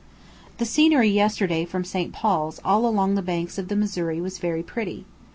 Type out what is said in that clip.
The scenery yesterday from St. Paul's all along the banks of the Missouri was very pretty.